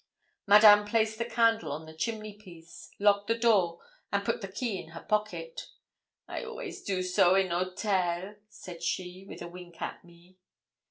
Madame placed the candle on the chimneypiece, locked the door, and put the key in her pocket. 'I always do so in 'otel' said she, with a wink at me.